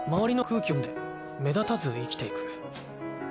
周りの空気を読んで目立たず生きていく。